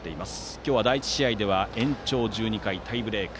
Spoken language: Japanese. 今日は第１試合は延長１２回タイブレーク。